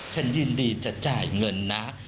ฉันยินดีจะจ่ายเงินนะ